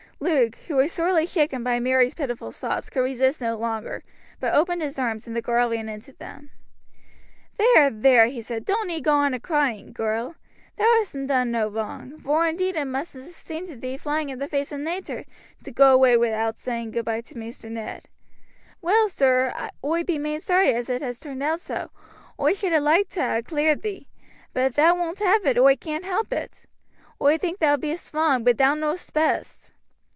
Luke, who was sorely shaken by Mary's pitiful sobs, could resist no longer, but opened his arms, and the girl ran into them. "There, there," he said, "don't ee go on a crying, girl; thou hasn't done no wrong, vor indeed it must have seemed to thee flying in the face of natur to go away wi' out saying goodby to Maister Ned. Well, sir, oi be main sorry as it has turned out so. Oi should ha' loiked to ha' cleared thee; but if thou won't have it oi caan't help it. Oi think thou beest wrong, but thou know'st best."